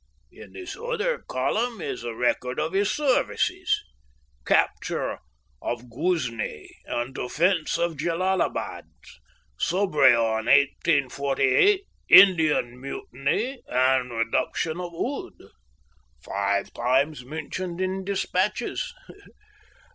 In this other column is a record of his services 'capture of Ghuznee and defence of Jellalabad, Sobraon 1848, Indian Mutiny and reduction of Oudh. Five times mentioned in dispatches.'